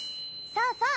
そうそう！